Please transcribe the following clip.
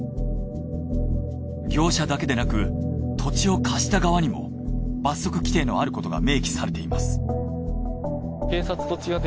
業者だけでなく土地を貸した側にも罰則規定のあることが明記されています。